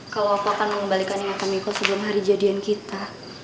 kalau apa akan mengembalikan ingat miko sebelum hari jadian kita